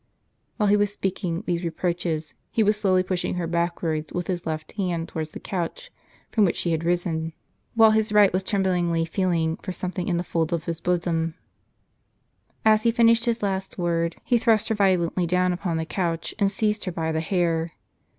While he was speaking these reproaches, he was slowly pushing her back wards with his left hand towards the couch from which she * Reyenffe. w had risen ; while his right was tremblingly feeling for some thing in the folds of his bosom. As he finished his last word, he thrust her violently down upon the couch, and seized her by the hair.